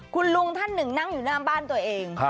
คุณลุงท่านหนึ่งนั่งอยู่หน้าบ้านตัวเอง